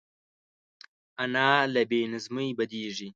انا له بې نظمۍ بدېږي